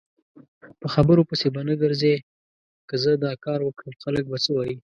په خبرو پسې به نه ګرځی که زه داکاروکړم خلک به څه وایي؟